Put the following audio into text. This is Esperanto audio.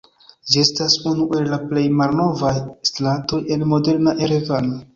Ĝi estas unu el la plej malnovaj stratoj en moderna Erevano.